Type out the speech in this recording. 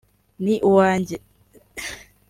Ni Uwanjye